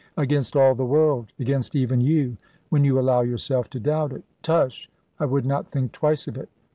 "Against all the world: against even you, when you allow yourself to doubt it. Tush! I would not twice think of it.